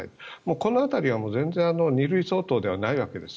この辺りは全然２類相当ではないわけです。